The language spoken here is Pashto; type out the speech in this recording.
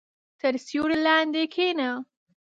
• تر سیوري لاندې کښېنه.